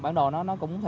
bản đồ nó cũng thế